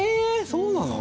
そうなの？